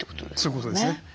そういうことですね。